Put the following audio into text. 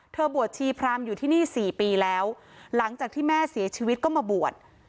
บวชชีพรามอยู่ที่นี่๔ปีแล้วหลังจากที่แม่เสียชีวิตก็มาบวช